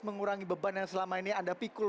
mengurangi beban yang selama ini anda pikul